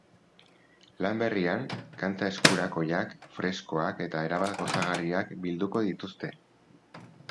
Lan berrian kanta eskurakoiak, freskoak eta erabat gozagarriak bilduko dituzte.